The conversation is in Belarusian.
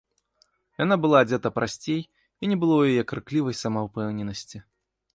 Яна была адзета прасцей, і не было ў яе крыклівай самаўпэўненасці.